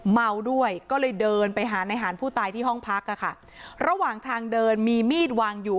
เมาด้วยก็เลยเดินไปหาในหารผู้ตายที่ห้องพักอ่ะค่ะระหว่างทางเดินมีมีดวางอยู่